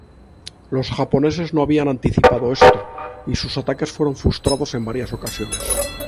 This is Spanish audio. Los japoneses no habían anticipado esto, y sus ataques fueron frustrados en varias ocasiones.